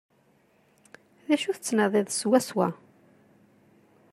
D acu tettnadiḍ swaswa?